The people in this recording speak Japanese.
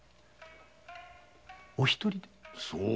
お一人で？